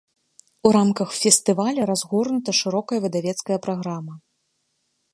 У рамках фестываля разгорнута шырокая выдавецкая праграма.